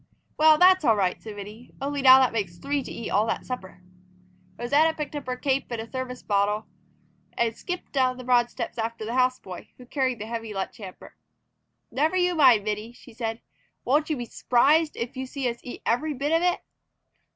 "Well, that's all right," said Minnie. "Only now that makes three to eat all that supper." Rosanna picked up her cape and a thermos bottle and skipped down the broad steps after the house boy, who carried the heavy lunch hamper. "Never you mind, Minnie," she said. "Wouldn't you be s'prised to see us eat every bit of it?"